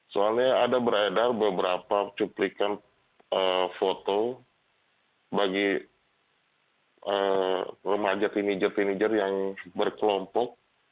soalnya ada beredar beberapa cuplikan foto bagi remaja teenager teenager yang berkelompok